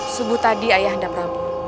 subuh tadi ayah anda prabu